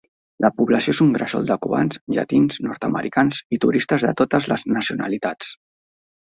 La població és un gresol de cubans, llatins, nord-americans i turistes de totes les nacionalitats.